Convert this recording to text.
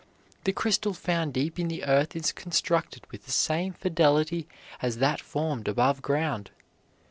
The crystal found deep in the earth is constructed with the same fidelity as that formed above ground.